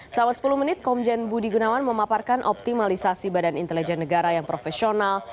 selama sepuluh menit komjen budi gunawan memaparkan optimalisasi badan intelijen negara yang profesional